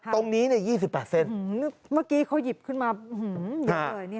ตรงนี้เนี่ย๒๘เส้นเมื่อกี้เขาหยิบขึ้นมาหื้ออยู่เกินเลย